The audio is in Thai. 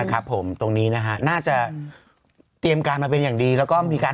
แล้วมองอ๋อมียามใช่ไหมจะมาปิดประตูใช่ไหม